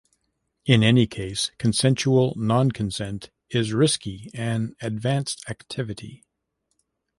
In any case "consensual nonconsent" is risky and advanced activity.